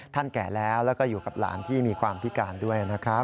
แก่แล้วแล้วก็อยู่กับหลานที่มีความพิการด้วยนะครับ